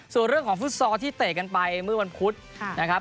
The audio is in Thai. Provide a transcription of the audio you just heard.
ส่วนเรื่องของฟุตซอลที่เตะกันไปเมื่อวันพุธนะครับ